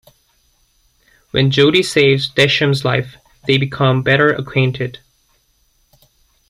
When Jody saves Desham's life, they become better acquainted.